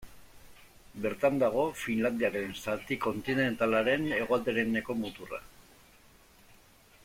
Bertan dago Finlandiaren zati kontinentalaren hegoaldereneko muturra.